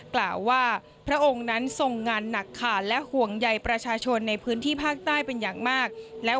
กล่าวว่าพระองค์นั้นทรงงานหนักขาดและห่วงใยประชาชนในพื้นที่ภาคใต้เป็นอย่างมากแล้ว